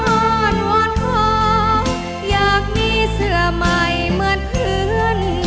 อ่อนวอนขออยากมีเสื้อใหม่เหมือนเพื่อน